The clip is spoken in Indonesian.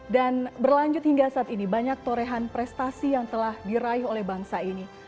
dan berlanjut hingga saat ini banyak torehan prestasi yang telah diraih oleh bangsa ini